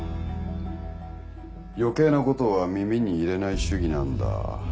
余計なことは耳に入れない主義なんだ。